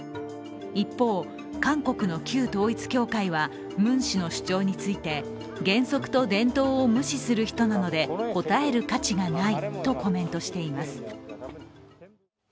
一方、韓国の旧統一教会はムン氏の主張について、原則と伝統を無視する人なので答える価値がないとコメントしています。